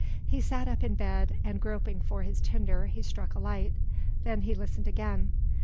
He sat up in bed and groping for his tinder he struck a light; then he listened again.